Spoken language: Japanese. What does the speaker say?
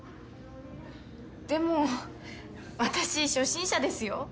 でも私初心者ですよ？